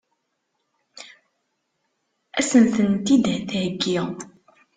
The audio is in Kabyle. Ad sen-tent-id-theggi?